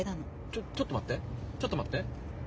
ちょちょっと待ってちょっと待って。